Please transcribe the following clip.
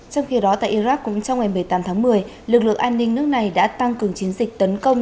trong khi đó tại iraq cũng trong ngày một mươi tám tháng một mươi lực lượng an ninh nước này đã tăng cường chiến dịch tấn công